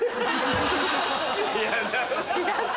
嫌だ。